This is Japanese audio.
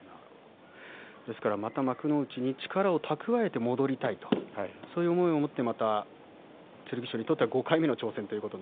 ですから、また幕内に力を蓄えて戻りたいとそういう思いを持って剣翔にとっては５回目の挑戦